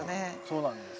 そうなんです。